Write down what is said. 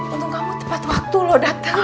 untung kamu tepat waktu loh dateng